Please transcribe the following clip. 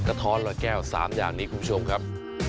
กะทอดหรอยแก้วสามอย่างนี้คุณผู้ชมครับ